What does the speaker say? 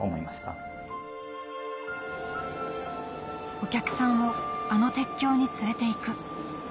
「お客さんをあの鉄橋に連れていく」